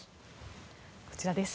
こちらです。